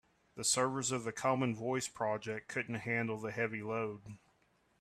The servers of the common voice project couldn't handle the heavy load.